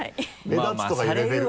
目立つとかいうレベル。